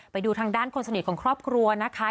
ไปดูทางด้านคนสนิทของครอบครัวนะคะ